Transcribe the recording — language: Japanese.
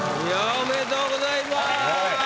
おめでとうございます。